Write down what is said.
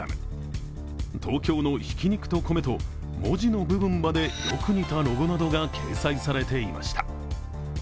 東京の挽肉と米と、文字の部分までよく似たロゴなどが掲載されていました。